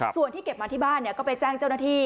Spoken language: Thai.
ส่วนที่เก็บมาที่บ้านก็ไปแจ้งเจ้าหน้าที่